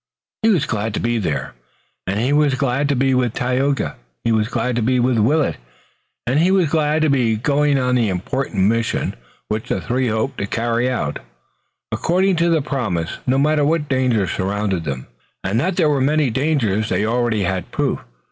He was glad to be there. He was glad to be with Tayoga. He was glad to be with Willet and he was glad to be going on the important mission which the three hoped to carry out, according to promise, no matter what dangers surrounded them, and that there would be many they already had proof.